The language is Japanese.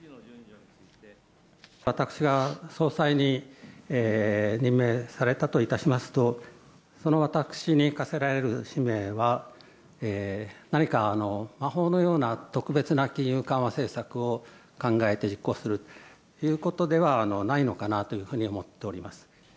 私が総裁に任命されたといたしますと、その私に課せられる使命は、何か魔法のような特別な金融緩和政策を考えて実行するということではないのかなというふうに思っております。